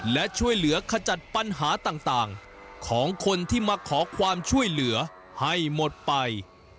และช่วยเหลือขจัดปัญหาต่างของคนที่มาขอความช่วยเหลือให้หมดไป